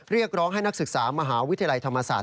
เรียกร้องให้นักศึกษามหาวิทยาลัยธรรมศาสต